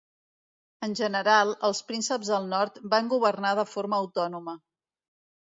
En general, els prínceps del nord van governar de forma autònoma.